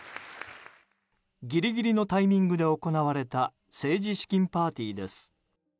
ギリギリのタイミングで行われた政治資金パーティーです。